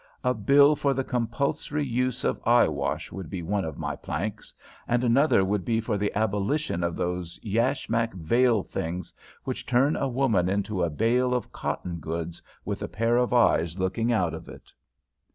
A Bill for the compulsory use of eyewash would be one of my planks, and another would be for the abolition of those Yashmak veil things which turn a woman into a bale of cotton goods with a pair of eyes looking out of it."